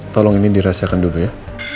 tolong ini dirahasiakan dulu ya